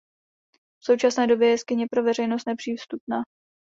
V současné době je jeskyně pro veřejnost nepřístupná.